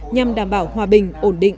nhằm đảm bảo hòa bình ổn định